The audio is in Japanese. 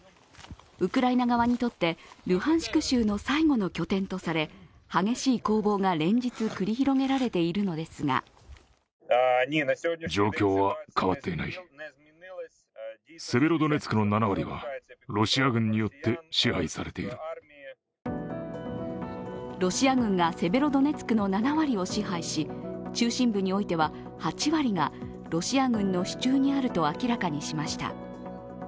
ウクライナ側にとってルハンシク州の最後の拠点とされ激しい攻防が連日、繰り広げられているのですがロシア軍がセベロドネツクの７割を支配し中心部においては８割がロシア軍の手中にあると明らかにしました。